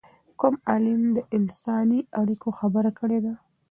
کوم عالم د انساني اړیکو خبره کړې ده؟